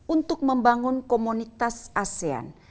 untuk membangun komunitas asean